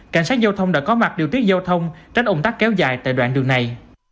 cảnh sát giao thông đã có mặt điều tiết giao thông trách ông tắt kéo dài tại đoạn đường này